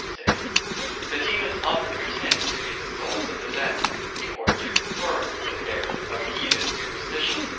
say, the demons often pretend to be the souls of the dead, in order to confirm the error of heathen superstition.